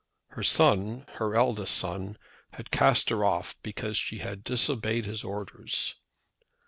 Her son, her eldest son, had cast her off because she had disobeyed his orders!